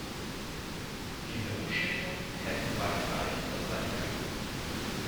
Diese Umschichtungen hätten weitreichender sein können.